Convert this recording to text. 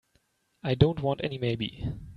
I don't want any maybe.